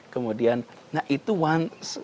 kemudian nah itu one